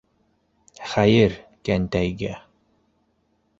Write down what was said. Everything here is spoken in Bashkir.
Хәйер, кәнтәйгә...